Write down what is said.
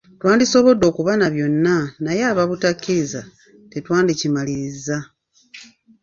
Twandisobodde okuba na byonna naye aba butakkiriza tetwandikimalirizza.